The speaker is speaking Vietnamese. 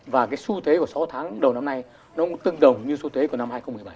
và cái xu thế của sáu tháng đầu năm nay nó cũng tương đồng như xu thế của năm hai nghìn một mươi bảy